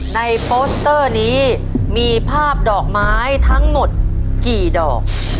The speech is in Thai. โปสเตอร์นี้มีภาพดอกไม้ทั้งหมดกี่ดอก